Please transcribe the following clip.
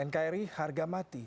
nkri harga mati